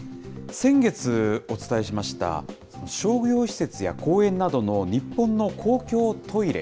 先月、お伝えしました、商業施設や公園などの日本の公共トイレ。